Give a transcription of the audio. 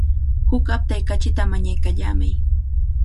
Huk aptay kachita mañaykallamay.